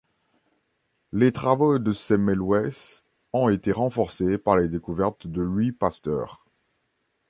Les travaux de Semmelweis ont été renforcés par les découvertes de Louis Pasteur.